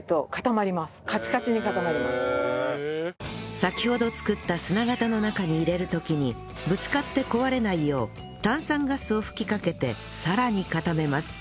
先ほど作った砂型の中に入れる時にぶつかって壊れないよう炭酸ガスを吹きかけてさらに固めます